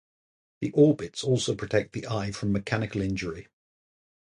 The orbits also protect the eye from mechanical injury.